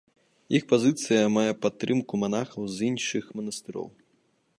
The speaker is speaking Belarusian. Іх пазіцыя мае падтрымку манахаў з іншых манастыроў.